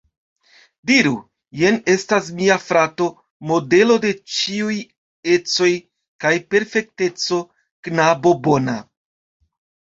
Diru: jen estas mia frato, modelo de ĉiuj ecoj kaj perfekteco, knabo bona.